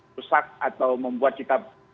rusak atau membuat kita